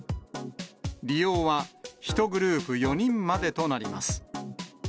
利用は、１グループ４人までとなります。